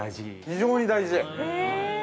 ◆非常に大事？